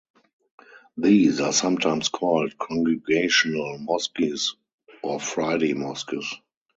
These are sometimes called Congregational mosques or Friday mosques.